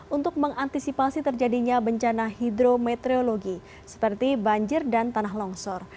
untuk mengantisipasi terjadinya bencana hidrometeorologi seperti banjir dan tanah longsor